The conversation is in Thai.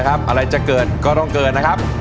อะไรจะเกิดก็ต้องเกิด